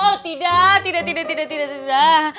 oh tidak tidak tidak tidak tidak tidak